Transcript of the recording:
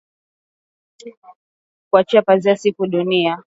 ili kuacha pazia ya siku dunia itakapokuwa tayari kuunga uhusiana na Pwani.